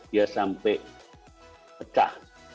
dia sampai pecah